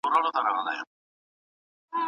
په دې تیارې پسې به لمر غوندې راخیژي وطن